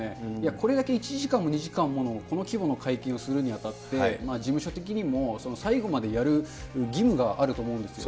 これだけ１時間も２時間ものこの規模の会見をするにあたって、事務所的にも、最後までやる義務があると思うんですよ。